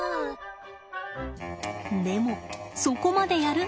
でも「そこまでやる？」